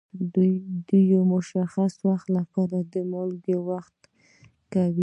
دوی د یو مشخص وخت لپاره د مالکانو خدمت کاوه.